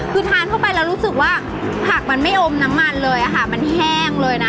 คือทานเข้าไปแล้วรู้สึกว่าผักมันไม่อมน้ำมันเลยค่ะมันแห้งเลยนะ